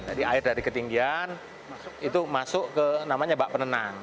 jadi air dari ketinggian itu masuk ke namanya bak penenang